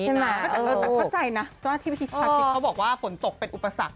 แต่เข้าใจนะว่าที่พี่ชาคิดเขาบอกว่าฝนตกเป็นอุปสรรค